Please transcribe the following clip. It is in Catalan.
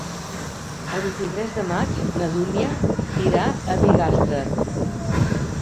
El vint-i-tres de maig na Dúnia irà a Bigastre.